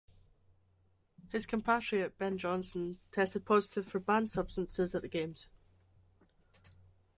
His compatriot Ben Johnson tested positive for banned substances at the Games.